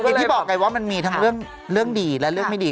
เห็นที่บอกไงว่ามันมีทั้งเรื่องเรื่องดีและเรื่องไม่ดี